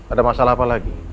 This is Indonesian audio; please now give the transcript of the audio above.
ada masalah apa lagi